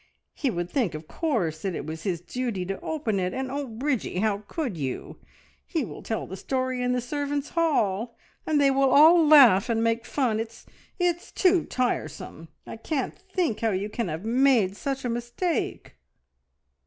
He would think, of course, that it was his duty to open it, and Oh, Bridgie, how could you? He will tell the story in the servants' hall, and they will all laugh and make fun. It's too tiresome! I can't think how you can have made such a mistake!"